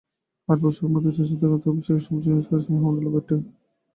আট বছরের মধ্যে টেস্টে অধিনায়কত্বের অভিষেকে সর্বোচ্চ ইনিংস এসেছে মাহমুদউল্লাহর ব্যাট থেকে।